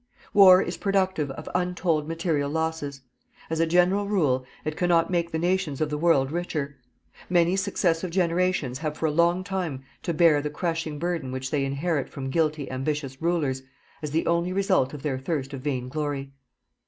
War is productive of untold material losses. As a general rule, it cannot make the nations of the world richer. Many successive generations have for a long time to bear the crushing burden which they inherit from guilty ambitious Rulers as the only result of their thirst of vain glory.